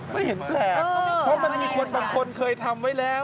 ไม่เห็นแปลกเพราะมันมีคนบางคนเคยทำไว้แล้ว